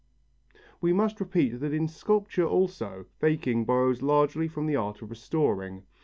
We must repeat that in sculpture also, faking borrows largely from the art of restoring.